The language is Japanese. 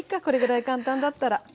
これぐらい簡単だったら。